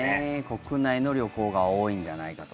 国内の旅行が多いんじゃないかと。